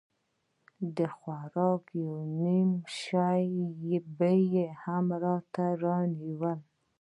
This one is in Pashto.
د خوراک يو نيم شى به يې هم راته رانيوه.